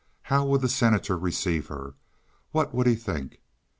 How would the Senator receive her? What would he think?